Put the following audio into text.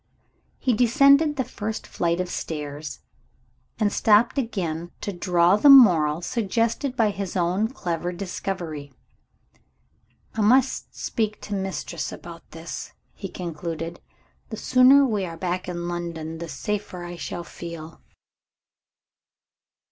He descended the first flight of stairs, and stopped again to draw the moral suggested by his own clever discovery. "I must speak to Mistress about this," he concluded. "The sooner we are back in London, the safer I shall feel."